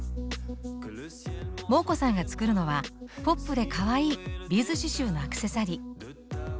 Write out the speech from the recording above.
モー子さんが作るのはポップでかわいいビーズ刺しゅうのアクセサリー。